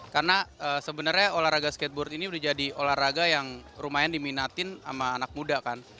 karena sebenarnya olahraga skateboard ini udah jadi olahraga yang lumayan diminatin sama anak muda kan